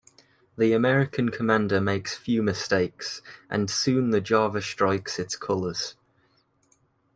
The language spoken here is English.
The American commander makes few mistakes and soon the "Java" strikes its colours.